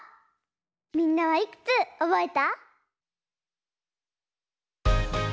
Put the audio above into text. みんなはいくつおぼえた？